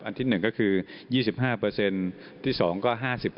ที่๑ก็คือ๒๕ที่๒ก็๕๐